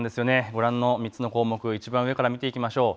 ご覧の３つの項目いちばん上から見ていきましょう。